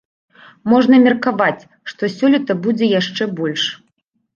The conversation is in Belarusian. Можна меркаваць, што сёлета будзе яшчэ больш.